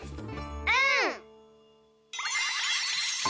うん！